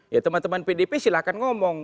ya teman teman pdp silahkan ngomong